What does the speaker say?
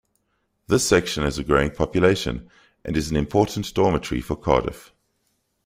This section has a growing population and is an important 'dormitory' for Cardiff.